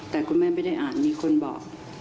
แต่คุณแม่ไม่ได้อ่านมีคนบอก